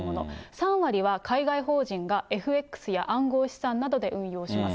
３割は海外法人がＦＸや暗号資産などで運用します。